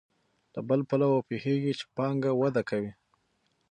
له بل پلوه پوهېږو چې پانګه وده کوي